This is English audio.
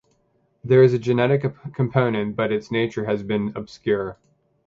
There is a genetic component but its nature has been obscure.